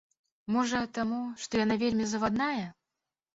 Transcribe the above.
Можа, таму, што яна вельмі завадная.